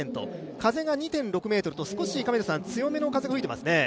風が２．６メートルと少し強めの風が吹いていますね。